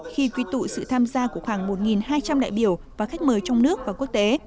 khi quy tụ sự tham gia của khoảng một hai trăm linh đại biểu và khách mời trong nước và quốc tế